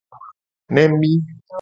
Nemi.